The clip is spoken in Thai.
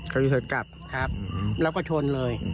เขายูเทิร์นกลับแล้วก็ชนเลย